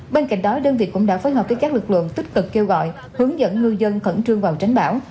bên cạnh đó đơn vị cũng đã phối hợp với các lực lượng tích cực kêu gọi hướng dẫn ngư dân khẩn trương vào tránh bão